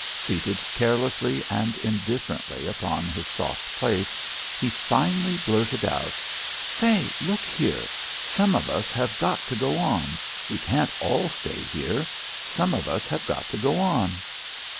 Seated carelessly and indifferently upon his soft place, he finally blurted out: "Say! Look here! Some of us have got to go on. We can't all stay here. Some of us have got to go on."